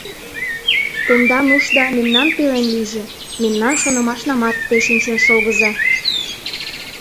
Тендан ушда мемнан пелен лийже, мемнан шонымашнамат те шинчен шогыза.